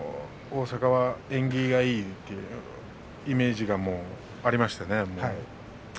大阪は縁起がいいというイメージがありましたね。